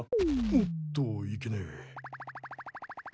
おっといけねえ。